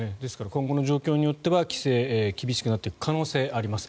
今後の状況によっては規制が厳しくなっていく可能性があります。